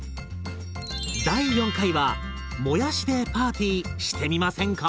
第４回はもやしでパーティーしてみませんか？